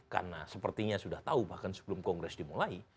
karena sepertinya sudah tahu bahkan sebelum kongres dimulai